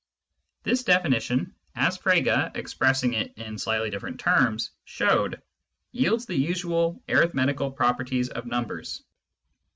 This definition, as Frege (expressing it in slightly diflFerent terms) showed, yields the usual arithmetical pro perties of numbers.